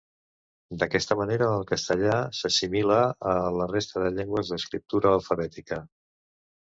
D'aquesta manera, el castellà s'assimila a la resta de llengües d'escriptura alfabètica.